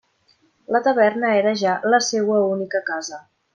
La taverna era ja la seua única casa.